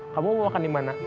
kamu mau makan di mana